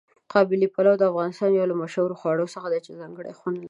قابلي پلو د افغانستان یو له مشهورو خواړو څخه دی چې ځانګړی خوند لري.